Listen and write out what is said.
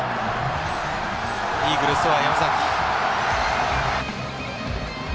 イーグルスは山崎。